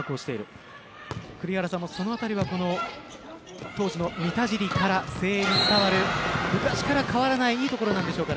栗原さんもそのあたりは当時の三田尻から誠英に伝わる昔から変わらないいいところなんでしょうかね？